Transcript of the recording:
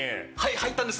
入ったんです。